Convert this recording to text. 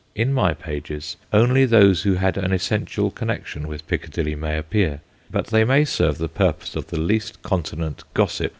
In my pages only those who had an essential connection with Piccadilly may appear, but they may serve the purpose of the least continent gossip.